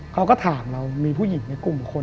เขาก็ถามเรามีผู้หญิงในกลุ่มคน